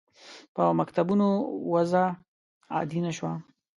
په مکتوبونو وضع عادي نه شوه.